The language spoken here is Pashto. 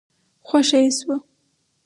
خوښه يې شوه.